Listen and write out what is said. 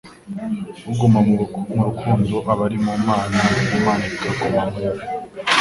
Uguma mu rukundo aba ari mu Mana, n'Imana ikaguma muri we.»